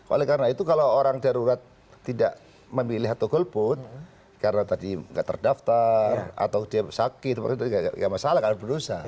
oleh karena itu kalau orang darurat tidak memilih atau golput karena tadi tidak terdaftar atau dia sakit nggak masalah kalau berusaha